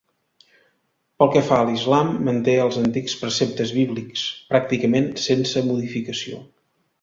Pel que fa a l'islam, manté els antics preceptes bíblics, pràcticament sense modificació.